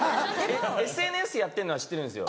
ＳＮＳやってるのは知ってるんですよ。